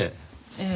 ええ。